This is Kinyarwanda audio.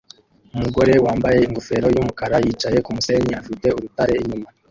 Umugore wambaye ingofero yumukara yicaye kumusenyi afite urutare inyuma